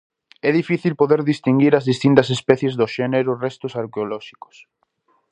É difícil poder distinguir as distintas especies do xénero restos arqueolóxicos.